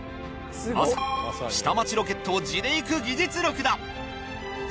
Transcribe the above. まさに『下町ロケット』を地で行く技術力だ！